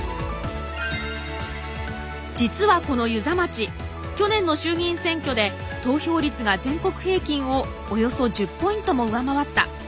実はこの遊佐町去年の衆議院選挙で投票率が全国平均をおよそ１０ポイントも上回った。